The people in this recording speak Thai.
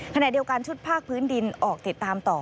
ขณะเดียวกันชุดภาคพื้นดินออกติดตามต่อ